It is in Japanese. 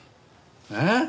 えっ！？